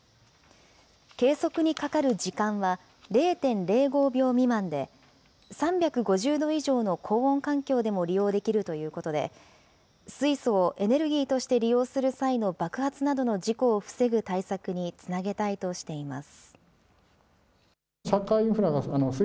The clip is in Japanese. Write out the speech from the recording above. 計測にかかる時間は０．０５秒未満で、３５０度以上の高温環境でも利用できるということで、水素をエネルギーとして利用する際の爆発などの事故を防ぐ対策につなげたいとしています。